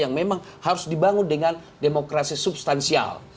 yang memang harus dibangun dengan demokrasi substansial